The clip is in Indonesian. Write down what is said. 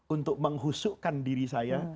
untuk menghusukan diri saya